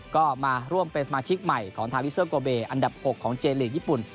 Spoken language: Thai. ก็มาร่วมเป็นสมาชิกใหม่ของทาวิเซอร์โกเบอันดับ๖ของเจลีกญี่ปุ่น